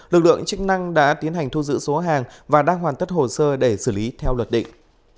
lực lượng chức năng đã tiến hành thu giữ số hàng và đang hoàn tất hồ sơ để xử lý theo luật định